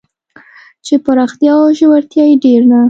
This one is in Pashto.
چې پراختیا او ژورتیا یې ډېر نه